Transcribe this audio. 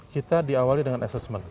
kita diawali dengan assessment